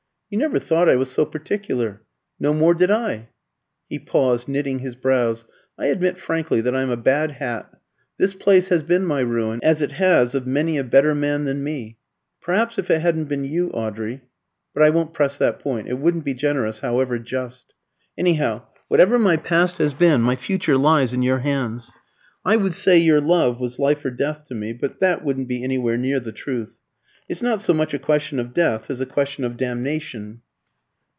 You never thought I was so particular? No more did I ". He paused, knitting his brows. "I admit frankly that I'm a bad hat. This place has been my ruin, as it has of many a better man than me. Perhaps, if it hadn't been for you, Audrey but I won't press that point; it wouldn't be generous, however just. Anyhow, whatever my past has been, my future lies in your hands. I would say your love was life or death to me, but that wouldn't be anywhere near the truth. It's not so much a question of death as a question of damnation."